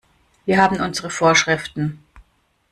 Wir haben unsere Vorschriften.